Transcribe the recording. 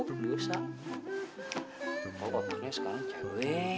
enggak ada mas lati bongsi